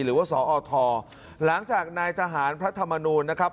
หรือว่าสอทหลังจากนายทหารพระธรรมนูลนะครับ